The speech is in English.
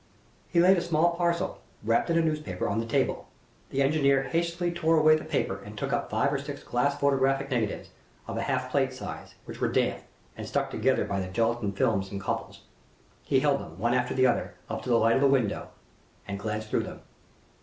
He laid a small parcel, wrapped in a newspaper, on the table. The engineer hastily tore away the paper and took up five or six glass photographic negatives, of a half plate size, which were damp, and stuck together by the gelatine films in couples. He held them, one after another, up to the light of the window, and glanced through them.